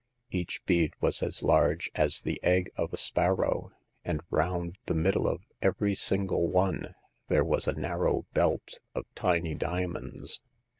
Each bead was as large as the egg of a sparrow, and round the middle of every single one there was a narrow belt of tiny diamonds.